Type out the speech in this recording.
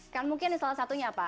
kan mungkin salah satunya pak